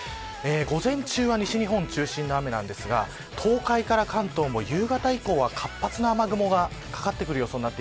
午前中は西日本中心の雨ですが東海から関東も、夕方以降は活発な雨雲がかかってくる予想です。